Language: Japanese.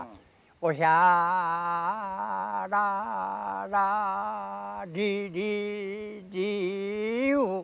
「おひゃららりりり」いう。